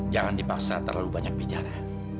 jangan dipaksa terlalu banyak bicara